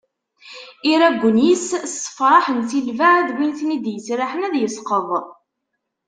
Iraggen-is ssefraḥen si lbaɛd win i ten-id-yesraḥen ad yesqeḍ.